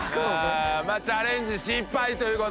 まあチャレンジ失敗という事で。